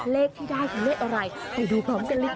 เลขที่ได้เป็นเลขอะไรกลับที่ดูพร้อมกันเลยค่ะ